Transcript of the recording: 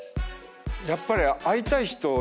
やっぱり。